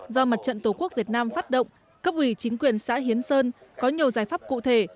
do mặt trận tổ quốc việt nam phát động cấp ủy chính quyền xã hiến sơn có nhiều giải pháp cụ thể